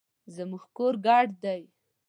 زموږ کور ډک دی